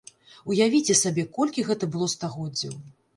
Уявіце сабе, колькі гэта было стагоддзяў!